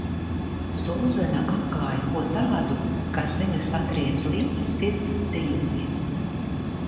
Sūzana atklāj ko tādu, kas viņu satriec līdz sirds dziļumiem.